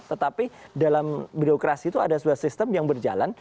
tetapi dalam birokrasi itu ada sebuah sistem yang berjalan